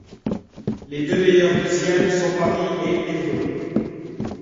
Les deux meilleurs deuxièmes sont Paris et Évreux.